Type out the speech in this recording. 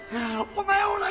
お前おら